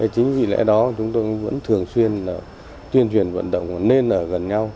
chính vì lẽ đó chúng tôi vẫn thường xuyên tuyên truyền vận động nên ở gần nhau